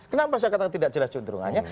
kenapa saya katakan tidak jelas cenderungannya